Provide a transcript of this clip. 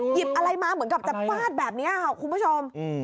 หยิบอะไรมาเหมือนกับจะฟาดแบบนี้ค่ะคุณผู้ชม